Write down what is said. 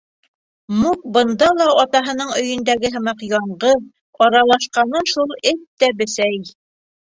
Мук бында ла атаһының өйөндәге һымаҡ яңғыҙ, аралашҡаны шул эт тә бесәй.